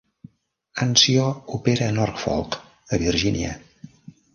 "Anzio" opera a Norfolk a Virgínia.